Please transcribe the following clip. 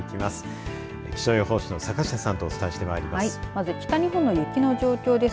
気象予報士の坂下さんとお伝えしてまいります。